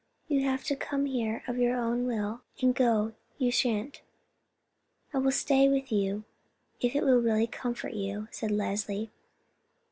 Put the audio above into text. You have come here of your own will, and go you shan't." "I will stay with you if it will really comfort you," said Leslie.